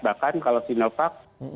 bahkan kalau sinovac